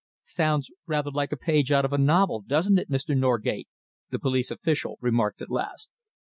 "Sounds rather like a page out of a novel, doesn't it, Mr. Norgate?" the police official remarked at last.